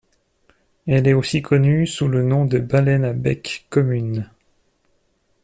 Elle est aussi connue sous le nom de Baleine à bec commune.